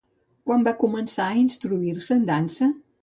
Quan va començar a instruir-se en dansa?